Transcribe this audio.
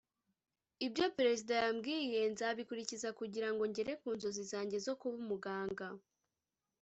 ibyo Perezida yambwiye nzabikurikiza kugira ngo ngere ku nzozi zanjye zo kuba umuganga